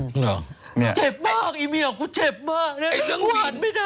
เจ็บมากไอ้เมียของกูเจ็บมาก